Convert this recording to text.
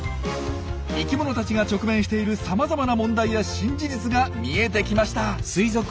生きものたちが直面しているさまざまな問題や新事実が見えてきました。